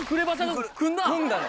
組んだの！